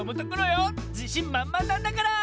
じしんまんまんなんだから！